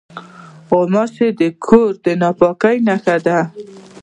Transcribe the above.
غوماشې د کور د ناپاکۍ نښه دي.